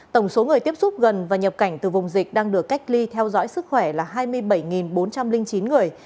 tổng số người tiếp xúc gần và nhập cảnh từ vùng dịch đang được cách ly theo dõi sức khỏe là hai mươi bảy bốn trăm linh chín người